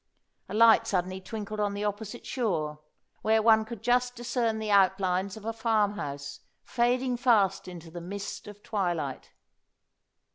A light suddenly twinkled on the opposite shore, where one could just discern the outlines of a farm house, fading fast into the mist of twilight.